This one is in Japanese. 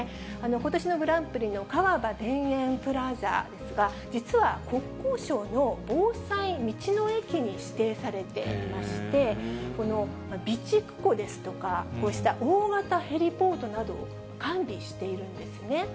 ことしのグランプリの川場田園プラザですが、実は国交省の防災道の駅に指定されていまして、この備蓄庫ですとか、こうした大型ヘリポートなどを完備しているんですね。